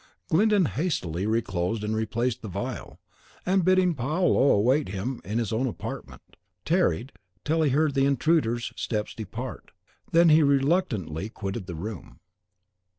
Glyndon hastily reclosed and replaced the vial, and bidding Paolo await him in his own apartment, tarried till he heard the intruder's steps depart; he then reluctantly quitted the room.